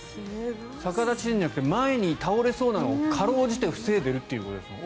逆立ちじゃなくて前に倒れそうなのをかろうじて防いでいるということですね。